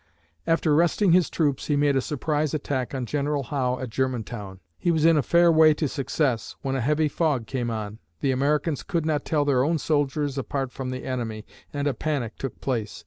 After resting his troops, he made a surprise attack on General Howe at Germantown. He was in a fair way to success, when a heavy fog came on. The Americans could not tell their own soldiers apart from the enemy and a panic took place.